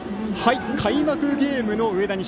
開幕ゲームの上田西。